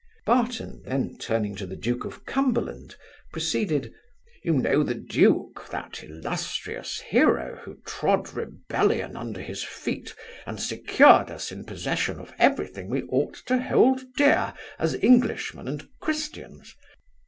Barton, then turning to the duke of C[umberland], proceeded, 'You know the duke, that illustrious hero, who trode rebellion under his feet, and secured us in possession of every thing we ought to hold dear, as English men and Christians.